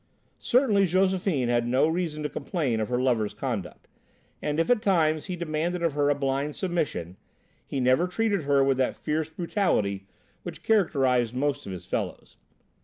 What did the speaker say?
Certainly Josephine had no reason to complain of her lover's conduct, and if at times he demanded of her a blind submission, he never treated her with that fierce brutality which characterised most of his fellows.